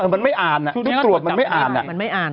มันไม่อ่านทุกตรวจมันไม่อ่าน